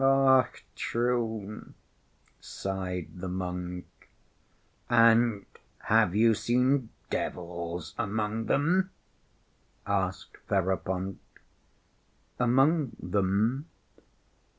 "Och, true," sighed the monk. "And have you seen devils among them?" asked Ferapont. "Among them?